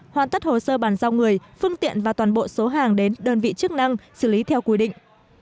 hoàn tất hồ sơ bàn giao người phương tiện và toàn bộ số hàng đến đơn vị chức năng xử lý theo quy định